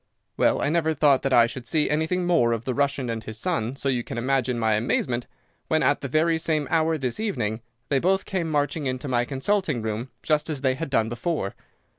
"Well, I never thought that I should see anything more of the Russian and his son, so you can imagine my amazement when, at the very same hour this evening, they both came marching into my consulting room, just as they had done before.